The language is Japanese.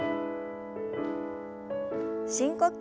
深呼吸。